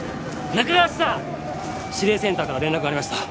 仲川主査指令センターから連絡ありました